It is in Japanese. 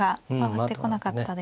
回ってこなかったね。